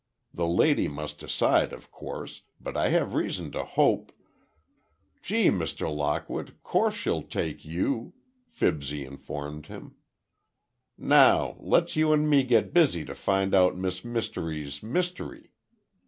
The lady must decide, of course, but I have reason to hope—" "Gee, Mr. Lockwood, 'course she'll take you," Fibsy informed him, "now, let's you and me get busy to find out Miss Mystery's mystery.